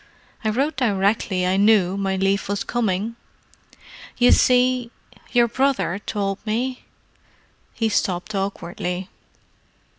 I wrote directly I knew my leave was coming. You see—your brother told me——" He stopped awkwardly.